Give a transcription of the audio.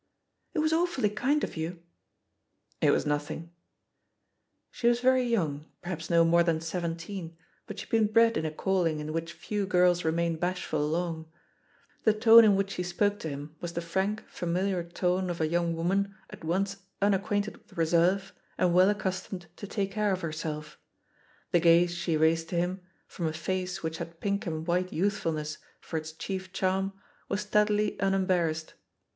It was awfully kind of you." "It was nothing." She was very young, perhaps no more than seventeen, but she had been bred in a calling in which few girls remain bashful long. The tone in which she spoke to him was the frank, fa miliar tone of a young woman at once unac quainted with reserve, and well accustomed to take care of herself; the gaze she raised to him, from a face which had pink and white youthful ness for its chief charm, was steadily unembar rassed.